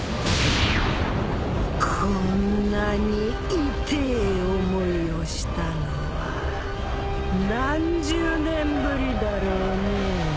こんなに痛え思いをしたのは何十年ぶりだろうねぇ。